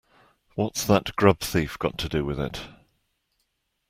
What's that grub-thief got to do with it.